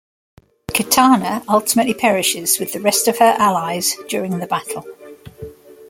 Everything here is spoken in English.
Kitana ultimately perishes with the rest of her allies during the battle.